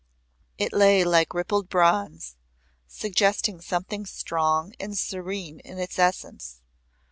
It lay like rippled bronze, suggesting something strong and serene in its essence.